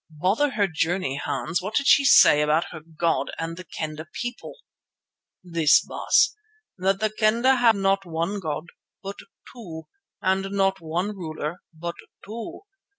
"Bother her journey, Hans. What did she say about her god and the Kendah people?" "This, Baas: that the Kendah have not one god but two, and not one ruler but two.